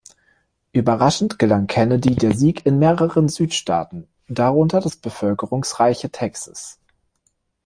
Überraschend gelang Kennedy der Sieg in mehreren Südstaaten, darunter das bevölkerungsreiche Texas.